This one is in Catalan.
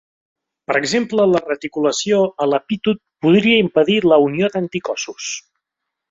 Per exemple, la reticulació a l'epítop podria impedir la unió d'anticossos.